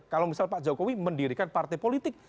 kalau misal pak jokowi mendirikan partai politik